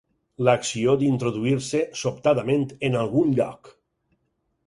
L'acció d'introduir-se, sobtadament, en algun lloc.